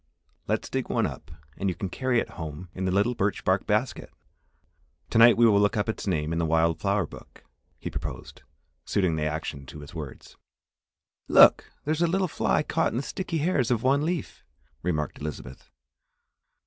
"Let's dig one up and you can carry it home in the little birch bark basket. To night we will look up its name in the wild flower book," he proposed, suiting the action to his words. "Look, there's a little fly caught in the sticky hairs of one leaf," remarked Elizabeth.